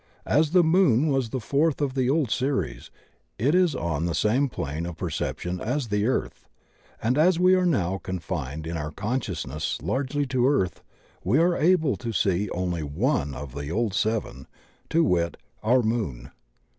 As the Moon was the fourth of the old series it is on the same plane of perception as the Eaiih, and as we are now confined in our consciousness largely to Earth we are able to see only one of the old seven — ^to wit: our Moon.